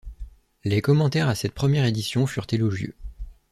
Les commentaires à cette première édition furent élogieux.